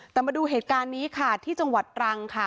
แต่มาดูเหตุการณ์นี้ค่ะที่จังหวัดตรังค่ะ